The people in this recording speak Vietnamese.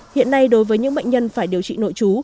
hiện nay đối với những bệnh nhân phải điều trị nội trú